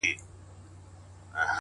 روښانه ذهن د ګډوډۍ لاره بندوي،